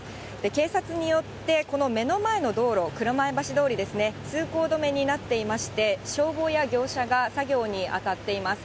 警察によってこの目の前の道路、蔵前橋通りですね、通行止めになっていまして、消防や業者が作業に当たっています。